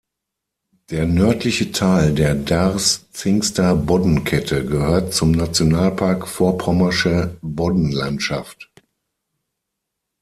Der nördliche Teil der Darß-Zingster Boddenkette gehört zum Nationalpark Vorpommersche Boddenlandschaft.